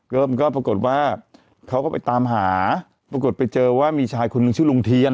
ก็มันก็ปรากฏว่าเขาก็ไปตามหาปรากฏไปเจอว่ามีชายคนนึงชื่อลุงเทียน